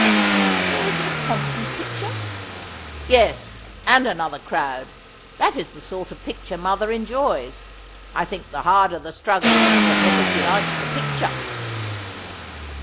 ' And there was Miss Thompson's picture.' ' Yes ; and another crowd. That is the sort of picture mother enjoys. I think the harder the struggle is the better she likes the picture.'